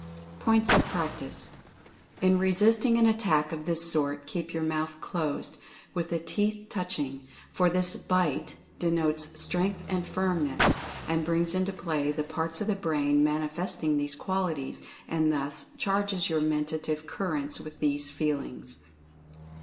POINTS OF PRACTICE. In resisting an attack of this sort, keep your mouth closed, with the teeth touching, for this "bite" denotes Strength and Firmness, and brings into play the parts of the brain manifesting these qualities, and thus charges your Mentative Currents with these feelings.